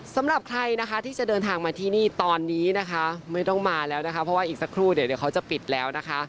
สำหรับใครนะคะที่จะเดินทางมาที่นี่ตอนนี้นะคะไม่ต้องมาแล้วนะคะเพราะว่าอีกสักครู่เดี๋ยวเขาจะปิดแล้วนะคะ